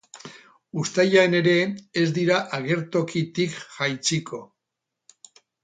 Uztailean ere ez dira agertokitik jaitsiko.